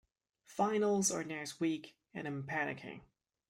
Finals are next week and I'm panicking.